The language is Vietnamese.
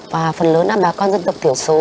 và phần lớn là bà con dân tộc thiểu số